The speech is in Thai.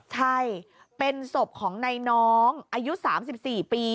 ใช่เป็นศพของในน้องอายุ๓๔ปี